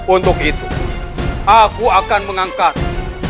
untuk itu aku akan mengangkat